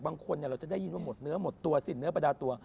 บางคนเราจะได้ยินว่าหมดเนื้อหมดตัวสิ้นเนื้อประดาตัว